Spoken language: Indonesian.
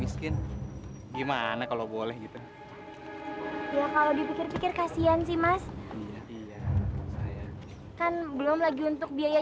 miskin gimana kalau boleh gitu ya kalau dipikir pikir kasihan sih mas kan belum lagi untuk biaya